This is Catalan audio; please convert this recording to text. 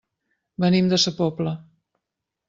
Venim de sa Pobla.